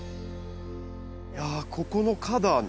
いやここの花壇